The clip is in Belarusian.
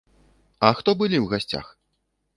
А хто былі ў гасцях?